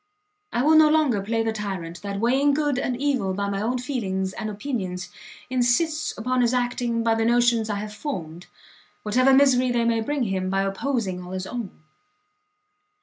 I will no longer play the tyrant that, weighing good and evil by my own feelings and opinions, insists upon his acting by the notions I have formed, whatever misery they may bring him by opposing all his own.